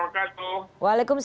assalamualaikum wr wb